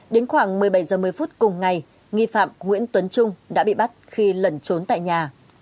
đến khoảng một mươi bảy h một mươi phút cùng ngày nghi phạm nguyễn tuấn trung đã bị bắt khi lẩn trốn tại nhà